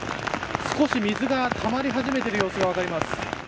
少し水がたまり始めている様子が分かります。